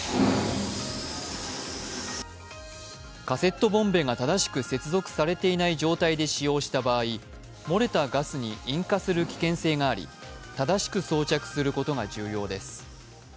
カセットボンベが正しく接続されていない状態で使用した場合、漏れたガスに引火する危険性があり正しく装着することが重要です。